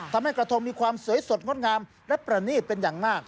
ทำให้กระทงมีความสวยสดงดงามและประนีตเป็นอย่างมาก